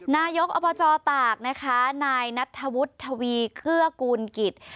นายกอบจตากนะคะนายนัทธวุฒิทวีเคื้อกูลกิจ